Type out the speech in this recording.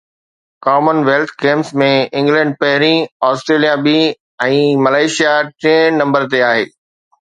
ڪمن wealth Games ۾ England پهرين، Australia ٻي ۽ ملائيشيا ٽئين نمبر تي آهي